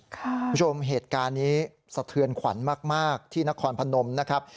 คุณผู้ชมเหตุการณ์นี้สะเทือนขวัญมากที่นครพนมนะครับ